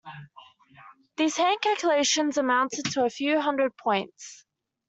These hand calculations amounted to "a few hundred points".